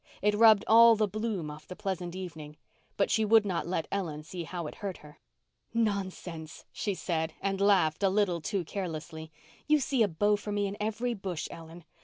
It rubbed all the bloom off the pleasant evening. But she would not let Ellen see how it hurt her. "Nonsense," she said, and laughed, a little too carelessly. "You see a beau for me in every bush, Ellen.